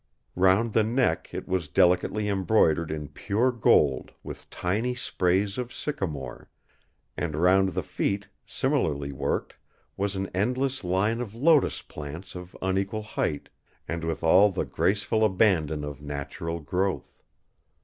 Round the neck it was delicately embroidered in pure gold with tiny sprays of sycamore; and round the feet, similarly worked, was an endless line of lotus plants of unequal height, and with all the graceful abandon of natural growth.